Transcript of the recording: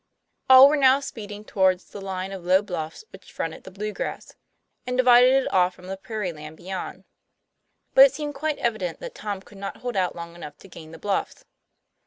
All were now speeding towards the line of low bluffs which fronted the" Blue grass," and divided it off from the prairie land beyond. But it seemed quite evident that Tom could not hold out long enough to gain the bluffs.